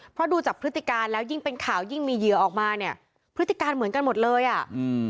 เพราะดูจากพฤติการแล้วยิ่งเป็นข่าวยิ่งมีเหยื่อออกมาเนี่ยพฤติการเหมือนกันหมดเลยอ่ะอืม